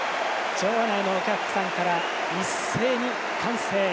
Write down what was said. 場内のお客さんから一斉に歓声。